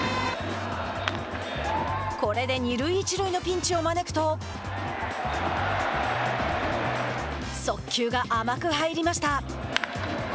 これで二塁一塁のピンチを招くと速球が甘く入りました。